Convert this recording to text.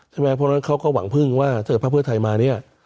เพราะฉะนั้นเขาก็หวังพึ่งว่าถ้าเกิดภาคเพื่อไทยมาเนี่ย